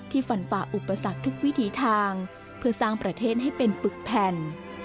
ฟันฝ่าอุปสรรคทุกวิถีทางเพื่อสร้างประเทศให้เป็นปึกแผ่น